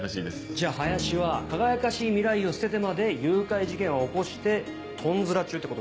じゃあ林は輝かしい未来を捨ててまで誘拐事件を起こしてトンズラ中ってことっすか？